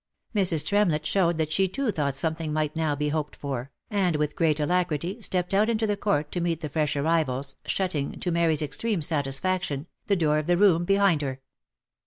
Mrs. Tremlett showed that she too thought something might now be hoped for, and with great alacrity stepped out into the court to meet the fresh arrivals, shutting, to Mary's extreme satisfaction, the door of the room behind her.